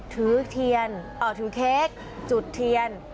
ถือเค้กจุดเทียน